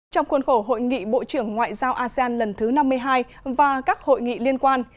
trong khuôn khổ hội nghị bộ trưởng ngoại giao asean lần thứ năm mươi hai và các hội nghị liên quan